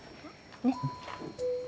ねっ。